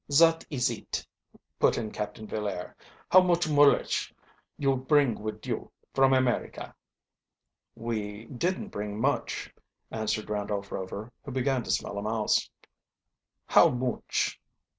"Zat ees it," put in Captain Villaire. "How mooch morlish you bring wid you from America?" "We didn't bring much," answered Randolph Rover, who began to smell a mouse. "How mooch?"